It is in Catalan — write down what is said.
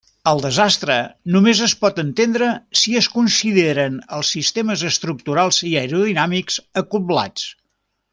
El desastre només es pot entendre si es consideren els sistemes estructurals i aerodinàmics acoblats.